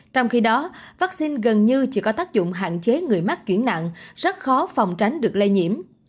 trong khi đó vaccine gần như chỉ có tác dụng hạn chế người mắc chuyển nặng rất khó phòng tránh được lây nhiễm